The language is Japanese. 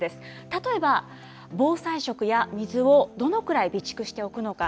例えば、防災食や水をどのくらい備蓄しておくのか。